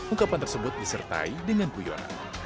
ungkapan tersebut disertai dengan guyonan